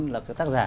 là cái tác giả